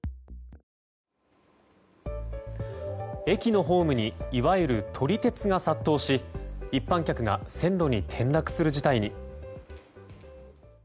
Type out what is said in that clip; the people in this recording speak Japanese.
駅のホームにいわゆる撮り鉄が殺到し一般客が線路に転落する事態に。